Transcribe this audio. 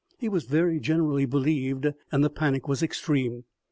He was very generally believed, and the panic was extreme.